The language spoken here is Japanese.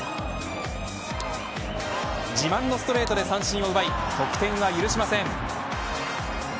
自慢のストレートで三振を奪い得点は許しません。